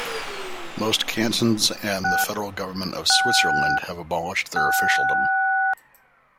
Most cantons and the federal government of Switzerland have abolished their officialdom.